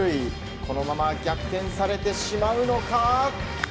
このまま逆転されてしまうのか。